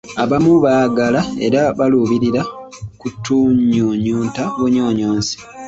Abamu baagala era baluubirira kutunyunyunta bunyunyusi.